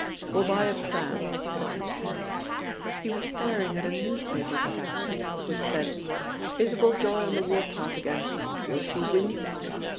"We'll buy a pram," said Edward Henry. He was staring at a newspaper placard which said: "Isabel Joy on the war path again. Will she win?"